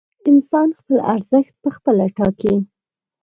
انسان خپل ارزښت پخپله ټاکي.